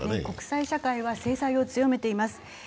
国際社会は制裁を強めています。